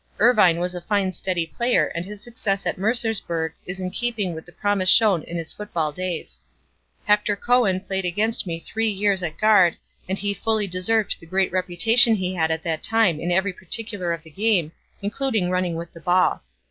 "Irvine was a fine steady player and his success at Mercersburg is in keeping with the promise shown in his football days. "Hector Cowan played against me three years at guard and he fully deserved the great reputation he had at that time in every particular of the game, including running with the ball.